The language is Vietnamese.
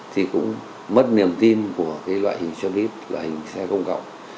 thì cũng mất niềm tin của cái loại hình xe buýt loại hình xe công cộng